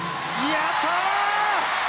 やったー！